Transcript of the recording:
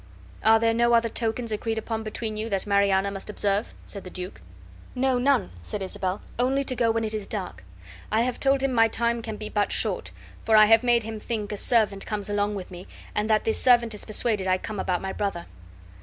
"Are there no other tokens agreed upon between you, that Mariana must observe?" said the duke. "No, none," said Isabel, "only to go when it is dark. I have told him my time can be but short; for I have made him think a servant comes along with me, and that this servant is persuaded I come about my brother."